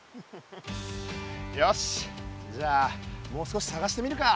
よしじゃもう少しさがしてみるか。